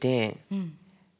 うん。